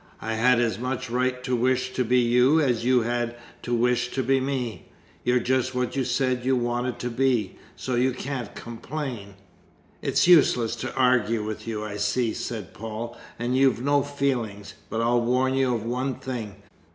I had as much right to wish to be you as you had to wish to be me. You're just what you said you wanted to be, so you can't complain." "It's useless to argue with you, I see," said Paul. "And you've no feelings. But I'll warn you of one thing.